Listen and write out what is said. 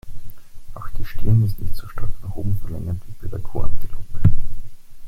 Auch die Stirn ist nicht so stark nach oben verlängert wie bei der Kuhantilope.